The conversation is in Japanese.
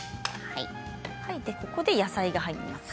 ここで野菜が入ります。